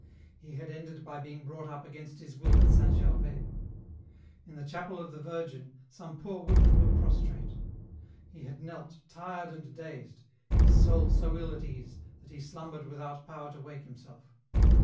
He had ended by being brought up against his will at St. Gervais. In the chapel of the Virgin, some poor women were prostrate. He had knelt, tired and dazed, his soul so ill at ease, that he slumbered without power to wake himself.